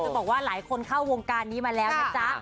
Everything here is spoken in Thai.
บอกว่าหลายคนเข้าวงการนี้มาแล้วนะจ๊ะ